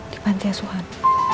di pantai suhan